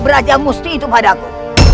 raja musti itu padaku